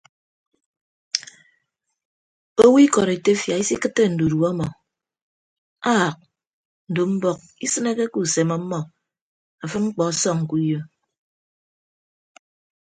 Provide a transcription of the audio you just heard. Owo ikọd etefia isikịtte ndudue ọmọ aak ndo mbọk isịneke ke usem ọmmọ afịd mkpọ ọsọñ ke uyo.